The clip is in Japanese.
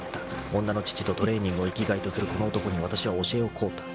［女の乳とトレーニングを生きがいとするこの男にわたしは教えを請うた。